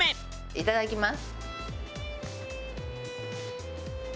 いただきます。